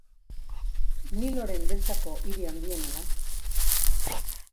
Niloren deltako hiri handiena da.